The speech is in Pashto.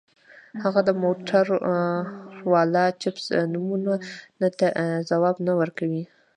هغه د موټورولا چپس نومونو ته ځواب نه ورکوي